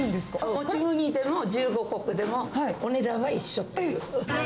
もち麦でも十五穀でも、お値段は一緒という。